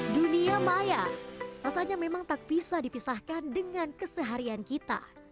dunia maya rasanya memang tak bisa dipisahkan dengan keseharian kita